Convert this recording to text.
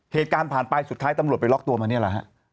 เหตุการณ์ผ่านไปสุดท้ายตำรวจไปล็อกตัวมานี่แหละฮะ